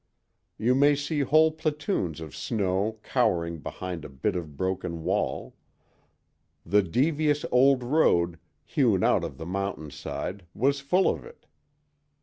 You may see whole platoons of snow cowering behind a bit of broken wall. The devious old road, hewn out of the mountain side, was full of it.